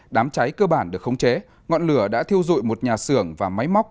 đám cháy cơ bản được khống chế ngọn lửa đã thiêu dụi một nhà xưởng và máy móc